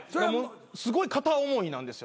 すごい片思いなんですよ